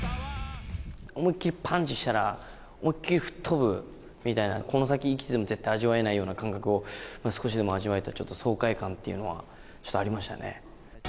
思いっ切りパンチしたら、思いっ切り吹っ飛ぶみたいな、この先、生きてても絶対味わえないような感覚を、少しでも味わえた、ちょっと爽快感というのはちょっとありましたね。